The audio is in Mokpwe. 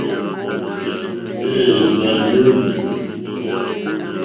Ɛ̄ɛ̄, nà jóhwì.